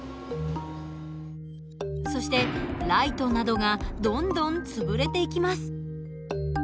そしてライトなどがどんどん潰れていきます。